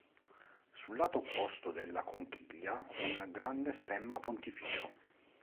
Sul lato opposto della conchiglia un grande stemma pontificio.